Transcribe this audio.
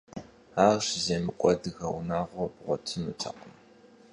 Ар щыземыкӀуэ адыгэ унагъуэ бгъуэтынутэкъым.